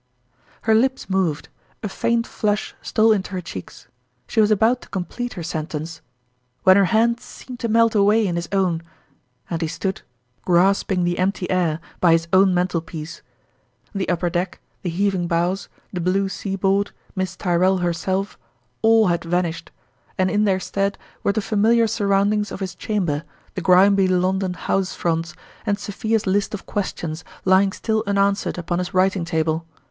Her lips moved, a faint flush stole into her cheeks ; she was about to complete her sen tence, when her hand seemed to melt away in his own, and he stood, grasping the empty air, by his own mantelpiece. The upper deck, the heaving bows, the blue seaboard, Miss Tyr rell herself, all had vanished; and in their stead were the familiar surroundings of his chamber, the grimy London housefronts, and Sophia's list of questions lying still unanswered upon his writing table